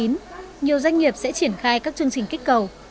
nhiều doanh nghiệp sẽ triển khai các chương trình kích cầu